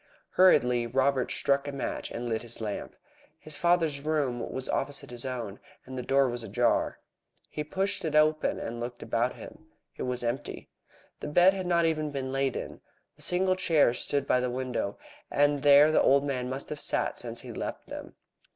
Hurriedly Robert struck a match and lit his lamp. His father's room was opposite his own, and the door was ajar. He pushed it open and looked about him. It was empty. The bed had not even been lain upon. The single chair stood by the window, and there the old man must have sat since he left them.